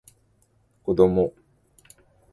こども